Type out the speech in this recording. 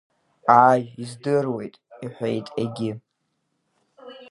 Ааи, издыруеит, — иҳәеит егьи.